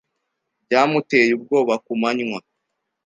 Byamuteye ubwoba kumanywa.